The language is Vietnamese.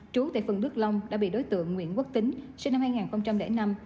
trú tại phường đức long đã bị đối tượng nguyễn quốc tính sinh năm hai nghìn năm